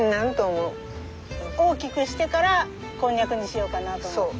大きくしてからコンニャクにしようかなと思って。